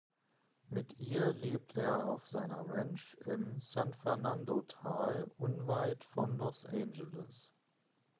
Mit ihr lebt er auf seiner Ranch im San Fernando-Tal unweit von Los Angeles.